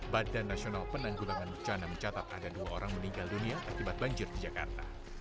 badan nasional penanggulangan bencana mencatat ada dua orang meninggal dunia akibat banjir di jakarta